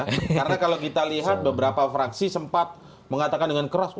karena kalau kita lihat beberapa fraksi sempat mengatakan dengan keras